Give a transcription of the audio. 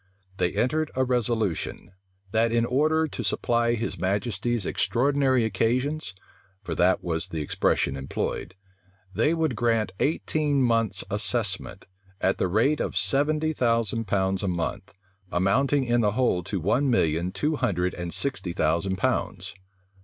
They entered a resolution, that, in order to supply his majesty's extraordinary occasions, (for that was the expression employed,) they would grant eighteen months' assessment, at the rate of seventy thousand pounds a month, amounting in the whole to one million two hundred and sixty thousand pounds.